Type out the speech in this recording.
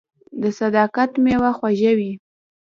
• د صداقت میوه خوږه وي.